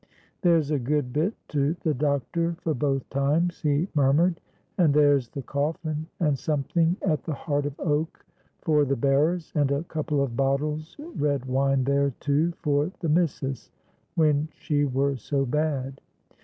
"There's a good bit to the doctor for both times," he murmured; "and there's the coffin, and something at the Heart of Oak for the bearers, and a couple of bottles red wine there, too, for the missus, when she were so bad.